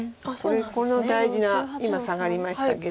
この大事な今サガりましたけど。